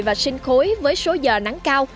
và sinh khối với số giờ nắng cao